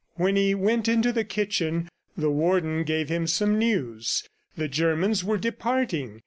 When he went into the kitchen, the Warden gave him some news. The Germans were departing.